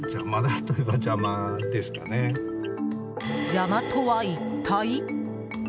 邪魔とは一体？